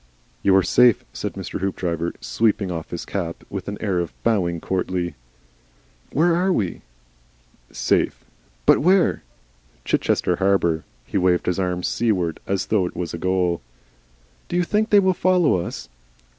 "You are safe," said Mr. Hoopdriver, sweeping off his cap with an air and bowing courtly. "Where are we?" "SAFE." "But WHERE?" "Chichester Harbour." He waved his arm seaward as though it was a goal. "Do you think they will follow us?"